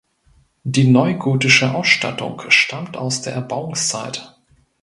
Die neugotische Ausstattung stammt aus der Erbauungszeit.